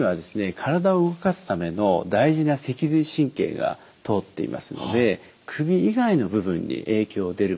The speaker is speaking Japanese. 体を動かすための大事な脊髄神経が通っていますので首以外の部分に影響出る場合があるんですね。